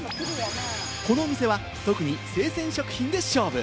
このお店は特に生鮮食品で勝負！